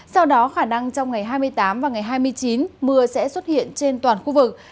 sau đó khả năng trong ngày hai mươi tám và ngày hai mươi chín mưa sẽ xuất hiện trên toàn khu vực